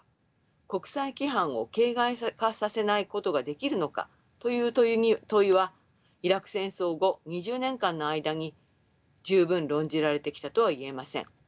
国際規範を形骸化させないことができるのかという問いはイラク戦争後２０年間の間に十分論じられてきたとは言えません。